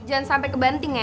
jangan sampe ke banting ya